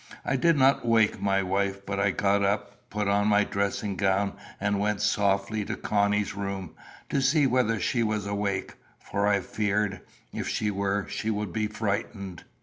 I did not wake my wife; but I got up, put on my dressing gown, and went softly to Connie's room, to see whether she was awake; for I feared, if she were, she would be frightened.